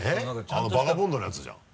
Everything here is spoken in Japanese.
あの「バガボンド」のやつじゃん。